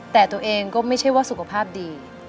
แต่ตัวเองก็ไม่ใช่ว่าสุขภาพดี